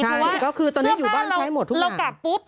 ใช่เพราะว่าเสื้อผ้าเรากลับปุ๊บ